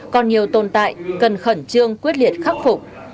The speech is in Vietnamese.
còn nhiều tồn tại cần khẩn trương quyết liệt khắc phục